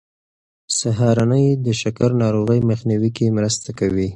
سهارنۍ د شکر ناروغۍ مخنیوی کې مرسته کوي.